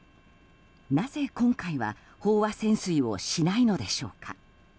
なぜ今回は飽和潜水をしないのでしょうか。